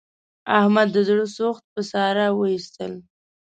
احمد د زړه سوخت په ساره و ایستلا.